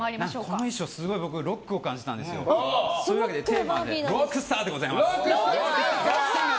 この衣装すごい僕ロックを感じたんですよ。というわけでテーマはロックシンガーでございます。